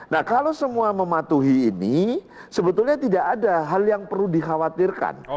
nah kalau semua mematuhi ini sebetulnya tidak ada hal yang perlu dikhawatirkan